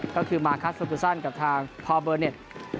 ก็คือมาคัสซูบูซันกับทางพอเบอร์เน็ต